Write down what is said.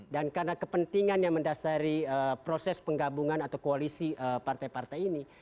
dan karena kepentingan yang mendasari proses penggabungan atau koalisi partai partai ini